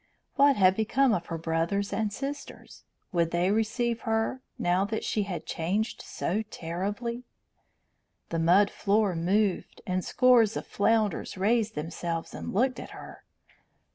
What had become of her brothers and sisters? Would they receive her, now that she had changed so terribly? The mud floor moved, and scores of flounders raised themselves and looked at her.